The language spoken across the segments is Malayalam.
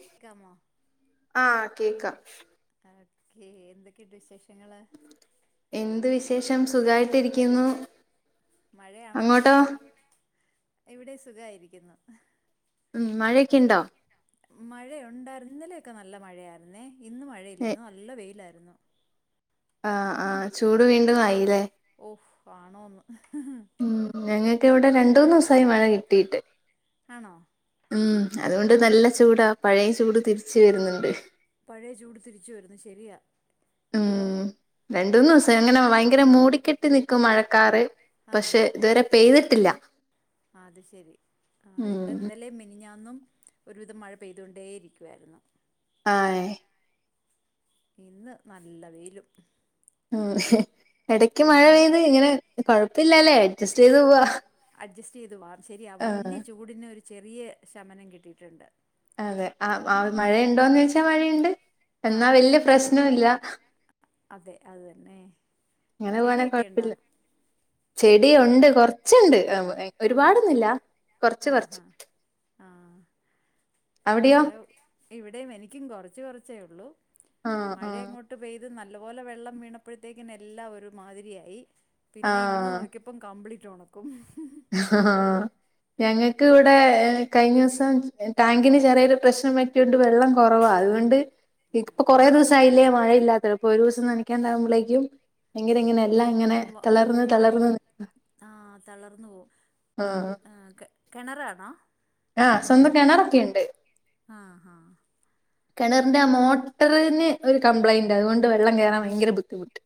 കേൾക്കാമോ ആ കേക്കാം ഓക്കെ എന്തൊക്കെയുണ്ട് വിശേഷം എന്ത് വിശേഷം സുഖമായിട്ടിരിക്കുന്നു മഴയാണോ ഇവിടെ സുഖമായിരിക്കുന്നു ഉം മഴയൊക്കെ ഉണ്ടോ മഴയുണ്ടായിര് ഇന്നലെയൊക്കെ നല്ല മഴയായിരുന്നേ ഇന്ന് മഴയില്ല ഇന്നു നല്ല വെയിലാ വുന്നു ആ ആ ചൂട് വീണ്ടും ആയില്ലേ ഓ ഫു ആണോന്ന് ഉം ഞങ്ങൾക്ക് ഇവിടെ രണ്ടൂ ന്ന് ദിവസായി മഴ കിട്ടിയിട്ട് ആണോ ഉം അതുകൊണ്ട് നല്ല ചൂടാ പഴയ ചൂട് തിരിച്ച് വരുന്നുണ്ട് പഴയ ചൂട് തിരിച്ചു വന്ന് ശരിയാ മ് രണ്ട് മൂന്ന് ദിവസായി അങ്ങനെ ഭയങ്കര മൂടിക്കെട്ടി നിക്കും മഴക്കാറ് ആഹ് പക്ഷെ ഇതുവരെ പെയ്തിട്ടില്ല അത് ശെരി ആ ഇവിടെ ഉം ഇന്നലേ മിനിഞാ ഇന്നും ഒരുവിധം മഴ പെയ്തോണ്ടേ ഇരിക്കുവായിരുന്നു ആഹ ഇന്ന് നല്ല വെയിലും ആ ഇടക്ക് മഴ പെയ്ത് ഇങ്ങനെ കൊഴപ്പില്ലലേ അഡ്ജസ്റ്റ് ചെയ്ത് വാ ശരിയാ ആഹ് വല്ല്യ ചൂടിന് ഒരു ചെറിയ ശമനം കിട്ടിയിട്ടുണ്ട് അതെ ആ് മഴയുണ്ടോന്ന് വെച്ചാ മഴയുണ്ട് എന്നാ ആഹ് വല്യ പ്രശ്നോല്ല അതെ അതു തന്നെ. അങ്ങനെ പോണെ ചെടിയൊക്കെ ഉണ്ടോ കൊഴപ്പില്ല ചെടിയുണ്ട് കൊറച്ചുണ്ട് ആഹ് ഒരുപാടൊന്നില്ല കൊറച്ച് കുറച്ച് ആഹാ ആഹ് മഴ ഇവിടെയും എനിക്കും കൊറച്ച് കൊറച്ചേ ഉള്ളൂ ആഹ് മഴ അങ്ങോട്ട് പെയ നല്ല പോലെ വെള്ളം വീണപ്പോയ്ത്തേക്കിന് എല്ലാം ഒരു മാതിരിയായി പിന്നെ ഇന്ന് ആഹ് നോക്കപ്പം കംപ്ലീറ്റ് ഉണക്കും. ഹും ആഹ ഞങ്ങൾക്ക് ഇവിടെ കഴിഞ്ഞ ദിവസം ടാങ്കിന് ചെറിയൊരു പ്രശ്നം പറ്റിയോണ്ട് വെള്ളം കുറവാ അതുകൊണ്ട് ഇപ്പൊ കൊറേ ആഹ് ദിവസയില്ലേ മഴയില്ലാത്തത്പ്പൊ ഒരു ദിവസം നനക്കാണ്ടകുമ്പോഴേക്കും ഭയങ്കര ഇങ്ങനെ എല്ലാം ഇങ്ങനെ വ തളർന്നു തളർന്നു നി ഓ കിണറാണോ ആഹ സ്വന്തം കിണറൊക്കെയുണ്ട് ആഹ് ആഹ് കെണറിന്റെ ആ മോട്ടറിന് ഒരു കംപ്ലൈയിന്റ് അതുകൊണ്ട് വെള്ളം കേറാൻ ഭയങ്കര ബുദ്ധിമുട്ട്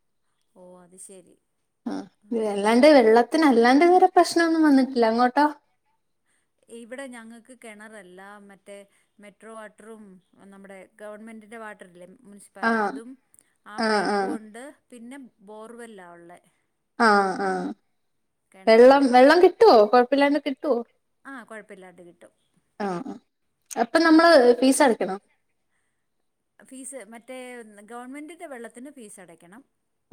ഓ അത് ശെരി ആ വെല്ലാണ്ട് വെള്ളത്തിന് അല്ലാണ്ട് വേറെ പ്രശ്നൊന്നും വന്നിട്ടില്ല അങ്ങോട്ടോ ഇവിടെ ഞങ്ങൾക്ക് കിണറല്ല മറ്റേ മെട്രോവാട്ടറും നമ്മുടെ ഗവൺമെന്റ് എന്റെ വാട്ടറിലും ആ മുനിസിപ്പാലി അതും ആ പൈപ്പുംണ്ട് പിന്നെ ബോർവെല്ലാ ഉള്ളെ ആ ആ കിണറില്ല വെള്ളം വെള്ളം കിട്ടുവോ? കൊഴപ്പില്ലാണ്ട് കിട്ടുവോ? അ കിട്ടും ആ ആ അപ്പൊ നമ്മള് ഫീസ് അടക്കണം ഫീസ് മറ്റേ ഗവണ്മെന്റിന്റെ വെള്ളത്തിന് ഫീസ് അടയ്ക്കണം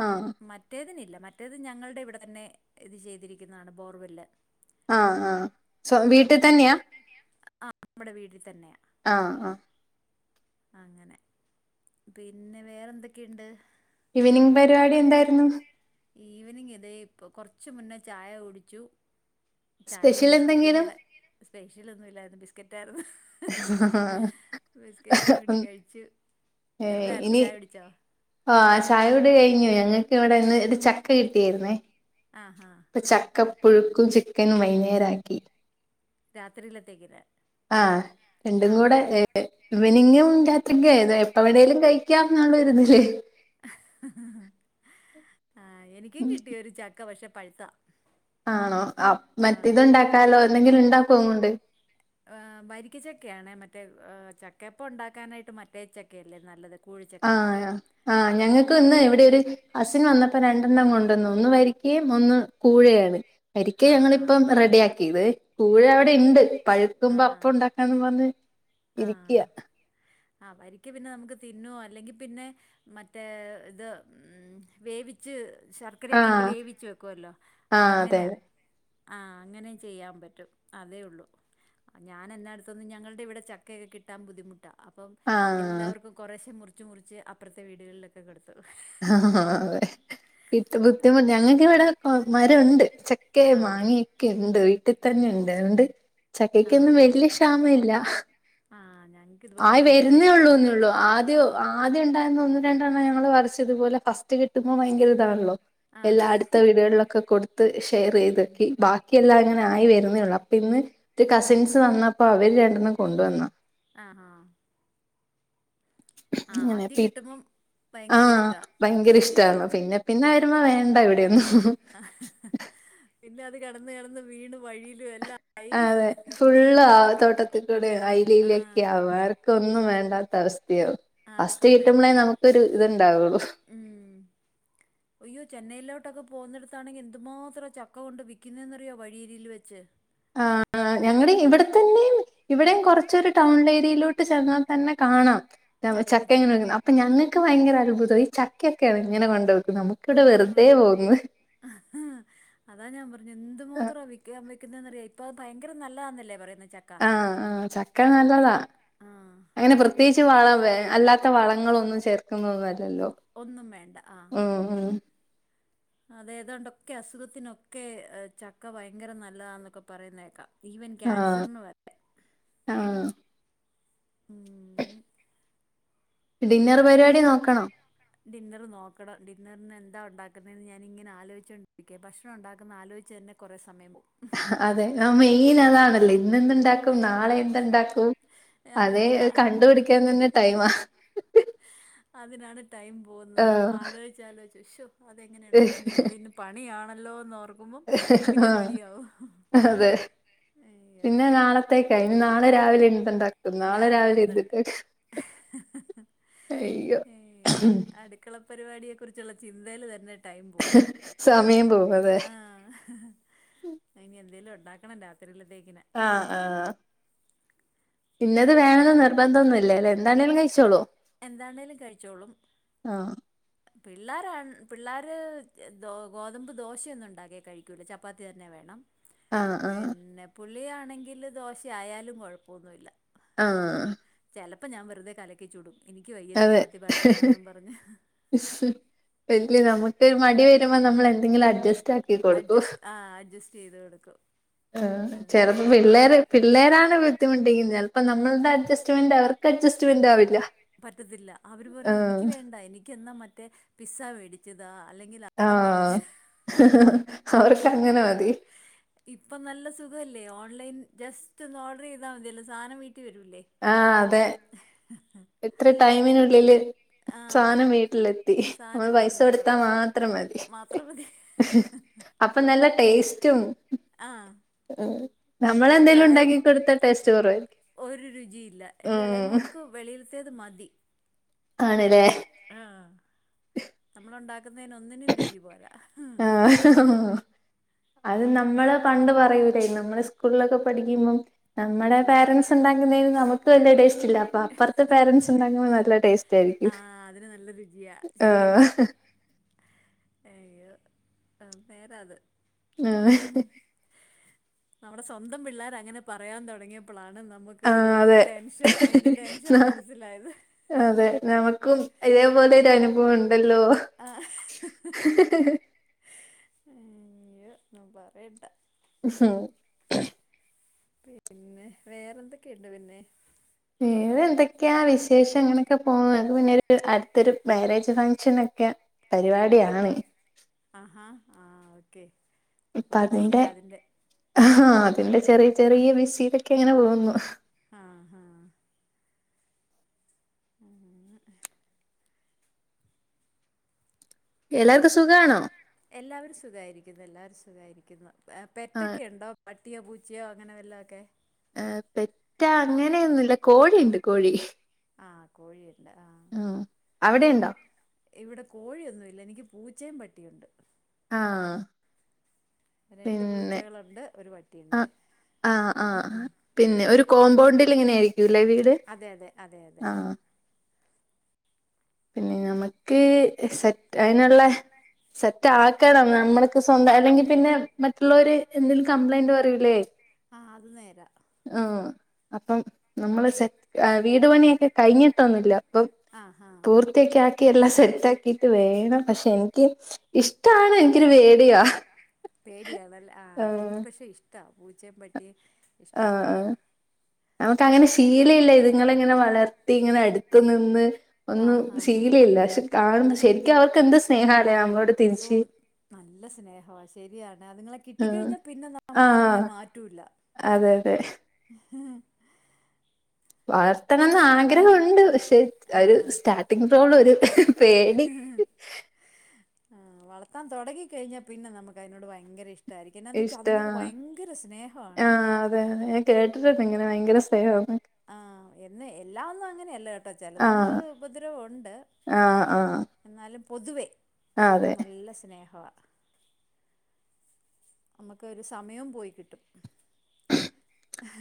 ആ മറ്റേതിനില്ല മറ്റേത് ഞങ്ങളുടെ ഇവിടെ തന്നെ ഇത് ചെയ്തിരിക്കുന്നതാണ് ബോർവെല്ല് ആ ആ സ്വ വീട്ടിൽ തന്നെയാ ആ നമ്മുടെ വീട്ടിൽ തന്നെയ ആഹ ആഹ. അങ്ങനെ പിന്നെ വേറെ എന്തൊക്കെയുണ്ട്? ഈവനിങ് പരിപാടി എന്തായിരുന്നു ഈവനിങ് ഇതെ ഇപ്പൊ കൊറച്ച മുന്നേ ചായ കുടിച്ചു ചായയും സ്പെഷ്യൽ ബിസ്കറ്റും എന്തെങ്കിലും കൂടെ സ്പെഷ്യൽ ഒന്നുംല്ലായിരുന്നു ബിസ്കറ്റായിരുന്നു കൂടി ആ കഴിച്ചു ഏ എന്തായിരുന്നു ഇനി ചായ കുടിച്ചോ ആ ചായോടി കഴിഞ്ഞു ഞങ്ങക്ക് ഇവിടെന്ന് ചക്ക കിട്ടിയായിരുന്നേ ആഹ് ആഹ കപ്പുഴുക്കും ചിക്കനും വൈുന്നേരക്കി രാത്രിയിലതെക്കിനെ ആ രണ്ടും കൂടെ ഈവനിങ്ങും എപ്പ വേണേലും കഴിക്കാം [unintelligible] ഉള്ളതില് ആ എനിക്കും കിട്ടിയ ഒരു ചക്ക പക്ഷെ പഴുത്താ ആണോ മറ്റേത് ഇത്ണ്ടാക്കാലോ എന്തെങ്കിലും ഉണ്ടാക്കോ അങ്ങോണ്ട് വ രിക്കച്ചക്കെയാണെ മറ്റേ ചക്കപ്പ ഉണ്ടാക്കാനായിട്ട് മറ്റേച്ചക്കല്ലേ നല്ലത്. കൂഴിച്ചക്ക ആഹ ആഹ് ഞങ്ങൾക്ക് ഇന്ന് ഇ വിടൊരു ഒരു കസിൻ വന്ന പ്പ രണ്ടെണ്ണം കൊണ്ടുവന്ന് ഒന്ന് വരിക്കകയും ഒന്ന് കൂഴയാണ് വരിക്ക ആ ഹാ ഞങ്ങളിപ്പം റെഡി ആക്കിയത് കൂ ഴ അവിടെ ഉണ്ട് ആ പഴുക്കുമ്പോ അപ്പ ഉണ്ടാക്കാന്നും പറഞ്ഞ് ഇരിക്കയാ ആ ആ വരിക്ക പിന്നെ നമുക്ക് തിന്നുവോ അല്ലെങ്കിൽ പിന്നെ മറ്റേ ഇത് വേ വിച്ച് ശർക്കരയൊക്കെ ഇട്ട് ആഹ് വേവിച്ചു വെക്കുവല്ലോ ആഹ് അതെ അങ്ങനെ അതെ ആഹ അങ്ങനെയും ചെയ്യാൻ പറ്റും അതേ ഉള്ളു ഞാൻ എാ അടുത്തോന്നന്ന് ഞങ്ങളുടെ ഇവിടെ ചക്കയൊക്കെ കിട്ടാൻ ബുദ്ധിമുട്ടാ അപ്പം ആഹ് എല്ലാവർക്കും കുറശെ മുറി മുറിച്മൂറിച്ച് അപ്പുറത്തെ വീടുകളിലൊക്കെ കൊടുത്തു വിടു ഹാആ അതെ ഇട്ട് ബുദ്ധിമുട്ട.. ഞങ്ങക്കവിടെ മര ഇണ്ട് ച ഒക്കെ ആ മാങ്ങിയൊക്കെ ഉണ്ട് വീട്ടിൽ തന്നെ ഉണ്ട് അതുകൊണ്ട് ആ ചക്കയ്ക്കൊന്നും വെല്യ ക്ഷാമ ഇല്ല. ആ ഞങ്ങൾക്ക് ഇതുപോലെ ആയി വല്ലപ്പോഴും വരുന്നേ കിട്ടുന്നു ഉള്ളൂന്നേള്ളു ആദ്യ ആദ്യം ഉണ്ടായിരുന്ന ഒന്ന രണ്ടെണ്ണം ഞങ്ങൾ വരച്ചതുപലെ ഫസ്റ്റ് കിട്ടുമ്പോൾ ഭയങ്കര ഇതാണല്ലോ? ആ എല്ലാ അടുത്ത വീടുകളിലൊക്കെ കൊടുത്ത് ഷെയർ ഉം ചെയ്തക്കി ബാക്കി എല്ലാം ഞ ആയി വരുന്നേള്ളൂ അപ്പൊ ഇന്ന് ഒരു കസിൻസ് വന്നപ്പോ അവര് രണ്ടെണ്ണം കൊണ്ടുവന്ന ആഹ ആ ആഹ് ആഹ് അങ്ങനെ ആദ്യം കിട്ടുമ്പം ഭയങ്കര ആഹ ഇഷ്ടാ ഭയങ്കര ഇഷ്ടാണ് പിന്നെ പിന്നെ മ വേണ്ട ഇവിടെയൊന്നും. ഹ ഹ പിന്നെ അത് കിടന്ന് കിടന്ന് വീണ് വഴിയിലും എല്ലാം ആയി അതെ ഫുൾ ആ തോട്ടത്തിൽ കൂടെ ഒയ്യോ അയിലിലൊക്കെ ആഹ് ആവും.. ആർക്കൊന്നും വേണ്ട വല്ലാത്ത അവസ്ഥയാ ആർക്കും ഫസ്റ്റ് വേണ്ട കിട്ടുമ്പോളേ നമുക്ക് ഒരു ഇത്ണ്ടാവുള്ളൂ ഉം അയ്യോ ചെന്നൈയിലോട്ട്ക്കെ പോകുന്നിടത്ത് അത്താണെങ്കിൽ എന്ത്ന്മാത്രം ചക്ക കൊണ്ട് വിൽക്കുന്നതെന്നറിയോ വഴിയിൽ വെച്ച് ആ ഞങ്ങ ഇവിടെത്തന്നെയും ഇവിടെയും കുറച്ചരു ടൗൺ ഏരിയലോട്ട് ചേന്നാ തന്നെ കാ കാണാം ചക്ക എങ്ങനെ അപ്പൊ ഞങ്ങൾക്ക് ഭയങ്കര അത്ഭുതമാണ് ഈ ചക്കൊക്കെയാണ് ഇങ്ങനെ കൊണ്ടത് നമുക്കിവിടെ വെറുതെ ആഹ് പോകുന്നു ആ ിയ ഇപ്പ അത് ഭയങ്കര നല്ലതാന്നല്ലേ പറയ ആഹ ആ ചക്ക നല്ലതാ ആഹ് അങ്ങനെ പ്രത്യേകിച്ച് വള വേ അല്ലാത്ത അല്ലാത്ത വളങ്ങളൊന്നും ചേർക്കുന്നൊന്നല്ലല്ലോ ഒന്നും ഉം.. ഉം.. അതേതാണ്ടൊക്കെ അസുഖത്തിനൊക്കെ ചക്ക ഭയങ്കര നല്ലതാന്നൊക്കെ പറയുന്നേക്കാം. ഈവൻ ആഹ്... ക്യാൻസറിന് വരെ ആഹ്... ഉം. ഡിന്നർ ആ പരിപാടി നോക്കണോ? ഡിന്നർ നോക്കണം ഡിന്നറിന് എന്താ ഉണ്ടാക്കുന്നതെന്ന് ഞാനിങ്ങനെ ആലോചിച്ചൊണ്ടിരിക്കയാണ് ഭക്ഷണം ഉണ്ടാക്കുന്ന ആലോചിച്ച പിന്നെ കുറെ സമയ പോവും അതെ ആ മെയിൻ അതാണല്ലോ ഇന്നെന്ത് ഇണ്ടാക്കും നാളെ എന്ത് ഇണ്ടാക്കും അതെ അതിങ്ങനെ ആ- കണ്ടുപിടിക്കാൻ തന്നെ ടൈമാ അതിനാണ് ടൈം പോകുന്നത് ആഹ് ആലോചിച്ചാലോചിച്ച് ഉശോ അതെങ്ങനെ ഉണ്ടാവും ഇനി ഇ ഇെ പണിയാണ ല്ലോർക്ക ആ അതെ അയ്യോ പിന്നെ നാളത്തേക്കയ് ഇനി നാളെ രാവിലെ ന്ത്‌ ഇണ്ടാക്ക രാവിലെ എന്തണ്ട് ഹേ ഹ് ഹേ യ്ക [inaudible] പരിപാടിയെ കുറിച്ചുള്ള ചിന്തയിൽ തന്നെ ടൈം പോവും.. സമയം പോകും അതെ ആഹ്... ഞാൻ എന്തേലും ഉണ്ടാക്കട്ടെ ണം രാത്രിയിലത്തെക്ക് ആഹ ആഹ് ഇന്നത് ചപ് വേണെന്ന് നിർബന്ധന്നില്ലല്ലേ.. എന്താണേലും കഴിച്ചോളോ? എന്താണേലും കഴിച്ചോളും. ആഹ് പിള്ളേർാണ് പിള്ളേർ ഗോതമ്പ് ദോശയൊന്നും ഉണ്ടാക്കിയൽ കഴിക്കൂല ചപ്പാത്തി തന്നെ വേണം ആഹ് ആഹ് പിന്നെ പുള്ളിയാണെങ്കില് ദോശയായാലും കൊഴപ്പമൊന്നുമല്ല ആഹ്... ചിലപ്പോ ഞാൻ വെുതെ കലക്കി ചുടും എനിക്ക് വയ്യ അതെ ചപ്പാത്തി പരത്താനൊന്നും പറഞ്ഞ് ഇല്ല നമക്ക് മടി വരുമ്പോൾ നമ്മൾ എന്തെങ്കിലും അഡ്ജസ്റ്റ് ആക്കി കൊടുക്കും അഡ്ജസ്റ്റ് ആ അഡ്ജസ്റ്റ് ചെയ്ത് കൊടുക്കും ആ ചെലപ്പ പിള്ളേര് പിള്ളേരാണ് ബുദ്ധിമുട്ടിക്കും അപ്പൊ നമ്മളുടെ അഡ്ജസ്റ്റ്മെന്റ് അവർക്ക് അഡ്ജസ്റ്റ്മെന്റ് ആവില്ല പറ്റത്തില്ല അവര് പറയും എനിക്ക് ആഹ് വേണ്ട എനക്ക് എന്നാ മറ്റേ പിസ്സ മേടിച്ച്താ ആഹ അവർക്ക് അങ്ങനെ മതി ഇപ്പൊ നല്ല സുഖല്ലേ ഓൺലൈൻ ജസ്റ്റ് ഒന്ന് ഓർഡർ ചെയ്താൽ മതിയല്ല സാധനം വരൂല്ലേ ആഹ അതെ എത്ര ടൈമിനുള്ളില് ആ സാധനം വീട്ടിലെത്തി നമ്മൾ സാധനം പൈസ വീട്ടിലെത്തും കൊടുത്താ മാത്രം മതി മാത്രം മതി അപ്പൊ നല്ല ടേസ്റ്റും ആഹ ഉ നമ്മളെന്തെങ്കിലും ഉണ്ടാക്കി കൊടുത്ത ടേസ്റ്റ് കുറവായിരിക്കും ഒരു രുചിയില്ല എന്റെ ഉം ഇളയമോൾക്ക് വെളിയിൽത്തയത് മതി ആണല്ലേ ആഹ നമ്മള ഉണ്ടാക്കുന്നതിന് ഒന്നിനും രുചി പോരാ ആഹ അത് നമ്മള് പണ്ട് പറയൂലേ നമ്മള് സ്കൂളിലൊക്കെ പഠിക്കുമ്പം നമ്മുടെ പേരൻസ് ഉണ്ട തങ്ങുന്നതി നമുക്ക് വലിയ ടേസ്റ്റ്ല്ല അപ്പൊ അപ്പറത്തെ പാരൻറ്സ് ഉണ്ടാകുന്നതിനു നല്ല ടെസ്റ്റാ ആഹ അതിന് നല്ല രുചിയാ ശെരിയ ആഹ് അയ്യോ ആ വേരാ അത് ആഹ നമ്മുടെ സ്വന്തം പിള്ളേർ അങ്ങനെ പറയാൻ തുടങ്ങിയപ്പോളാണ് ആ നമുക്ക് ഒരു ആഹ് അതെ ടെൻഷൻ അതിന്റെ ടെൻഷൻ മനസ്സിലായത് അതെ നമുക്കും ഇതേപോലെ ഒരു അനുഭവം ഉണ്ടല്ലോ ആഹ് ഇയ്യോ ഒന്നും പറയണ്ട ഹഹ പിന്നെ വേറെന്തൊക്കെയുണ്ട് പിന്നെ വേറെ എന്തൊക്കെയാ വിശേഷം അങ്ങനെയൊക്കെ പോന്നു അത് പിന്നെ അടുത്തൊരു മാരേജ് ഫങ്ഷൻ ഒക്കെയ പരിപാടിയാണ് ആഹാ ആഹ ഓക്കെ ഇപ്പ അപ്പൊ അതിന്റെ ബിസിയാ ആ അതിന്റെ ചെറിയ ചെറിയ ബിസിലൊക്കെ ഇങ്ങനെ പോകുന്നു ആഹ ഹഹ മ്മ് എല്ലാവർക്കും സുഖമാണോ എല്ലാവരും സുഖായിരിക്കുന്നു എല്ലാവരും സുഖായിരിക്കുന്നു ആ പെറ്റൊക്കെയുണ്ടോ പട്ടിയോ പൂച്ചയോ അങ്ങനെ വെല്ല ഒക്കെ ഏർ പെറ്റാ അങ്ങനെയൊന്നുമല്ല കോഴിയുണ്ട് കോഴി ആഹ കോഴിയുണ്ട് ആഹ ഉം. അവിടെയുണ്ടോ ഇവിടെ കോഴിയൊന്നും ഇല്ല എനിക്ക് പൂച്ചയും പട്ടിയുണ്ട് ആഹ രണ്ട് പൂച്ചകളുണ്ട് ഒരു ആ പട്ടിയുണ്ട് ആ ആ പിന്നെ ഒരു കോമ്പൗണ്ടിൽ എങ്ങനൊയിരിക്കുംല്ലേ വീട് അതെ അതെ അതെ അതെ ആ ആഹ പിന്നെ നമക്ക് സെറ്റ് അയിനുള്ള സെറ്റ് ആക്കാണം നമ്മക്ക് സ്വന്തം അല്ലെങ്കി പിന്നെ മറ്റുള്ളവര് എന്തേങ്കിലും കംപ്ലൈന്റ് പറയൂല്ലേ ആ അത് നേരാ ആ അപ്പം നമ്മള് സെറ്റ് വീടു പണിയൊക്കെ കഴിഞ്ഞിട്ടൊന്നുല്ല അപ്പം ആ ഹാ പൂർത്തിയക്ക ക്കി എല്ലാം സെറ്റ് ആക്കിട്ട് വേണം പക്ഷെ എനിക്ക് ഇഷ്ടമാണ് എനിക്കൊരു പേടിയ പേടിയണല്ല ആ എനിക്ക് പക്ഷെ ഇഷ്ട പൂച്ചയും പട്ടി ആ ആ നമുക്ക് അങ്ങനെ ശീല ഇല്ല ഇതുങ്ങള ഇങ്ങനെ വളർത്തി ഇങ്ങനെ അടുത്തു നിന്ന് ഒന്നും ആഹ് ആഹ് ആഹ് ശീലില്ല പക്ഷെ കാണു ശരിക്കും അവർക്ക് എന്ത് സ്നേഹ അല്ലേ നമ്മ ഓ നല്ല സ്നേഹവാ ശരിയാണ് അതുങ്ങളെ ആഹ് കിട്ടിക്കഴിഞ്ഞാ പിന്നെ നമ്മൾ അതിനെ ആഹ് മാറ്റൂല്ല അതെ അതെ വളർത്തണംന്ന് ആഗ്രഹുണ്ട് പക്ഷെ ഒരു ആഹ് സ്റ്റാർട്ടിംഗ് പ്രോബ്ലം ഒരു പേടി ആ വളർത്താ തുടിങ്ങിക്കഴിഞ്ഞാ പിന്നെ നമക്ക് അതിനോട് ഭയങ്കര ഇഷ്ടം ഇഷ്ട ആ ആ സ്നേഹവാണേ അതെതെ ഞാൻ കേട്ടിട്ടുണ്ട് ഇങ്ങനെ ഭയങ്കര സ്നേഹം ആ എന്ന് എല്ലാം ഒന്നും അങ്ങനെയല്ല കേട്ടോ ചിലതുങ്ങള് ആഹ് ഉപദ്രവം ഉണ്ട് ആഹ് ആഹ് എന്നാലും പൊതുവേ ആഹ് അതെ നല്ല സ്നേഹവാ നമുക്ക്‌ ഒരു സമയവും പോയി കിട്ടും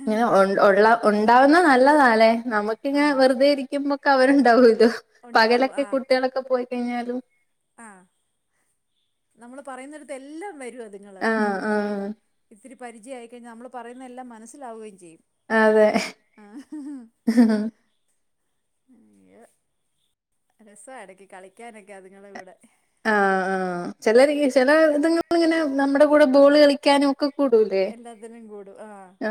ഇങ്ങനെ ഉള്ള ഉണ്ടാവുന്ന നല്ലതല്ലേ നമുക്കിങ്ങനെ ആഹ് വെറുതെ ഇരിക്കുമ്പോ അവരുണ്ടാവൂ ഇല്ലോ ഒണ്ടാവും പകലൊക്കെ കുട്ടികളൊക്കെ പോയിക്കഴിഞ്ഞാലും ആ നമ്മള് പറയുന്നിടത്ത് എല്ലാം വരും അതുങ്ങള് ആഹ് ആഹ് ഇത്തിരി പരിചയം ആയികഴിഞാൽ നമ്മൾപറയുന്നതെല്ലാം മനസ്സിലാവുകയും ചെയ്യും അതെ രസ ഇടക്ക് കളിക്കാനൊക്കെ അതുങ്ങളെ കൂടെ ആ ആ ചില ചില ഇത്ങ്ങള് ഇങ്ങനെ നമ്മുടെ കൂടെ ബോൾ കളിക്കാനും ഒക്കെ കൂടുലേ എല്ലാത്തിനും കൂടും ആ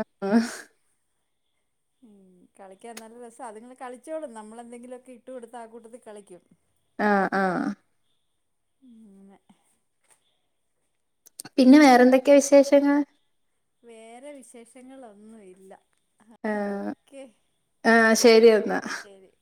കളിക്കാൻ നല്ല രസ അതുങ്ങള് കളിച്ചോളും നമ്മളെന്തെങ്കിലുമൊക്കെ ഇട്ട് കൊടുത്ത ആ കൂട്ടത്തിൽ കളിക്കും ആ ആ [inaudible] പിന്നെ വേറെന്തൊക്കെയാ വിശേഷങ്ങൾ വേറെ വിശേഷങ്ങളൊന്നും ഇല്ല ആ ഓക്കെ ആ ശരി എന്നാ ശരി